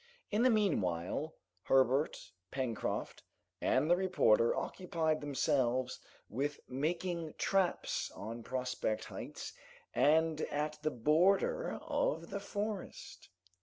In the meanwhile, Herbert, Pencroft, and the reporter occupied themselves with making traps on Prospect Heights and at the border of the forest.